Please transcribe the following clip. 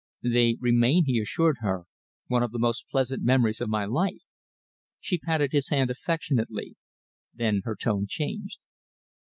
"They remain," he assured her, "one of the most pleasant memories of my life." She patted his hand affectionately. Then her tone changed.